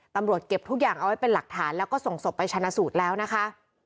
ตำรวจเก็บทุกอย่างเอาไว้เป็นหลักฐานแล้วก็ส่งศพไปชนะสูตรแล้วนะคะ